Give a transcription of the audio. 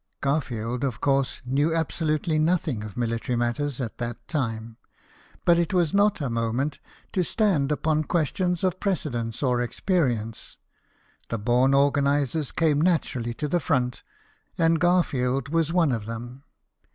Garfield, of course, knew absolutely nothing of military matters at that time ; but it was not a moment to stand upon questions of precedence or experience ; the born organizers came naturally to the front, and Garfield was one of them.